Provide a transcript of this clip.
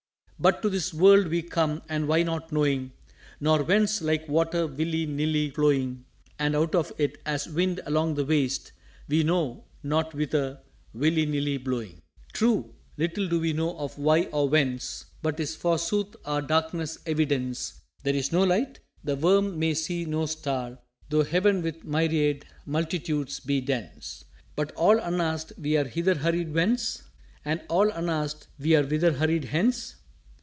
"_But to this world we come and Why not knowing, Nor Whence, like water willy nilly flowing; And out of it, as Wind along the waste, We know not Whither, willy nilly blowing_." "True, little do we know of Why or Whence. But is forsooth our Darkness evidence There is no Light? the worm may see no star Tho' heaven with myriad multitudes be dense." "_But, all unasked, we're hither hurried Whence? And, all unasked, we're Whither hurried hence?